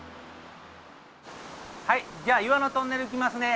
はいじゃあ岩のトンネル行きますね。